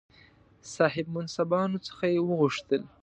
صاحب منصبانو څخه یې وغوښتل.